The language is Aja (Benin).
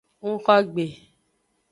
Ngxo gbe.